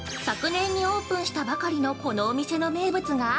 昨年にオープンしたばかりのこのお店の名物が？